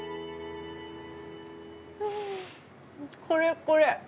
これこれ。